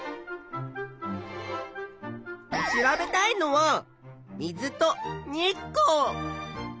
調べたいのは水と日光。